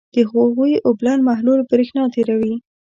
د هغوي اوبلن محلول برېښنا تیروي.